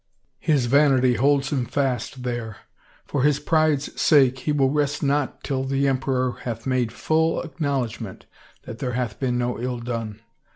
His vanity holds him fast there. For his pride's sake he will rest not till the em peror hath made full acknowledgment that there hath been no ill done.